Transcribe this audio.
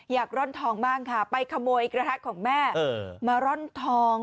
ร่อนทองบ้างค่ะไปขโมยกระทะของแม่มาร่อนทอง